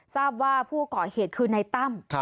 ทราบว่าผู้เกาะเหตุคือในตั้ม